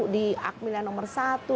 di akmilan nomor satu